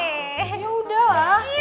ya udah lah